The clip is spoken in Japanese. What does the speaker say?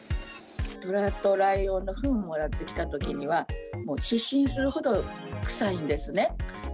トラとライオンのふんをもらってきたときには、もう失神するほど臭いんですね。